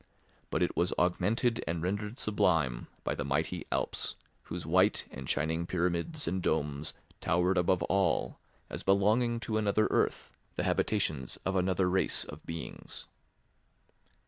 But it was augmented and rendered sublime by the mighty Alps, whose white and shining pyramids and domes towered above all, as belonging to another earth, the habitations of another race of beings.